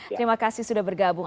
terima kasih sudah bergabung